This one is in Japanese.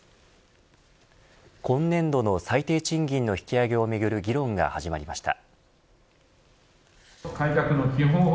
今年度の最低賃金の引き上げをめぐる議論が始まりました。